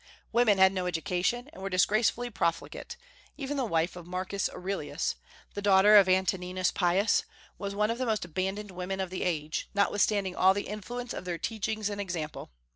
Women had no education, and were disgracefully profligate; even the wife of Marcus Aurelius (the daughter of Antoninus Pius) was one of the most abandoned women of the age, notwithstanding all the influence of their teachings and example.